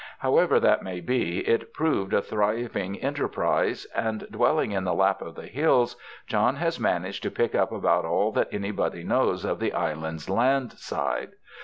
However that may be, it proved a thriving enter prise, and dwelling in the lap of the hills John has managed to pick up about all that anybody knows of the island's land side.